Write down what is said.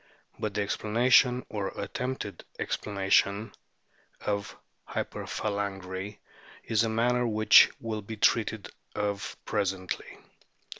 But the explanation, or attempted explanation, of hyperphalangy is a matter which will be treated of presently.